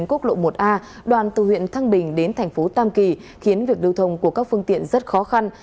trong tuyến quốc lộ một a đoàn từ huyện thăng bình đến thành phố tâm kỳ khiến việc lưu thông của các phương tiện rất khó khăn